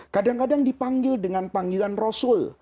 kadang kadang dipanggil dengan panggilan rasul